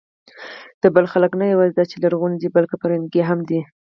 د بلخ خلک نه یواځې دا چې لرغوني دي، بلکې فرهنګي هم دي.